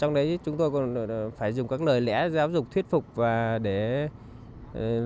để làm gì để giúp giao thông trong đó cũng phải dùng các lời lẽ giáo dục thuyết phục để làm gì để giúp giao thông